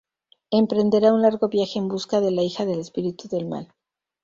Emprenderá un largo viaje en busca de la hija del espíritu del Mal.